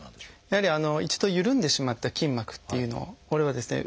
やはり一度ゆるんでしまった筋膜っていうのをこれをですね